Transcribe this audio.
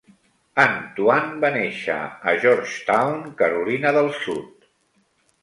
Anthuan va néixer a Georgetown, Carolina del Sud.